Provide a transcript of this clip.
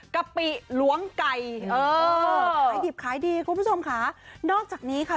กะปิหลวงไก่เออขายดิบขายดีคุณผู้ชมค่ะนอกจากนี้ค่ะ